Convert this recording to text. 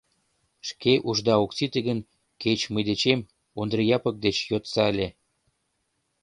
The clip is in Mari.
Шке ушда ок сите гын, кеч мый дечем, Ондри Япык деч йодса ыле!